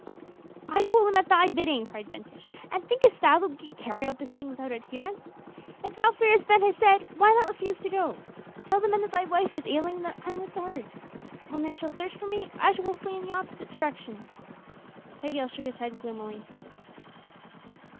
"I told him at thy bidding," cried Ben Kish; "and thinkest thou that we could carry out this thing without adherents? If thou fearest Ben Hesed, why not refuse to go? Tell the men that thy wife is ailing and that I am with the herds. When they shall search for me I will flee in the opposite direction." Pagiel shook his head gloomily.